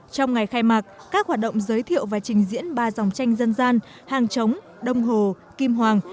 trong ngày khai mạc các hoạt động giới thiệu và trình diễn ba dòng tranh dân gian hàng trống đông hồ kim hoàng